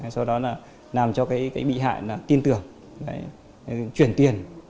sau đó là làm cho cái bị hại tin tưởng chuyển tiền